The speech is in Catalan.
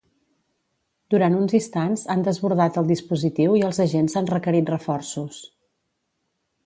Durant uns instants han desbordat el dispositiu i els agents han requerit reforços.